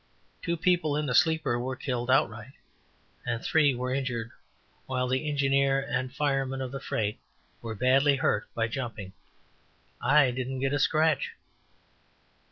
Two people in the sleeper were killed outright, and three were injured, while the engineer and fireman of the freight were badly hurt by jumping. I didn't get a scratch.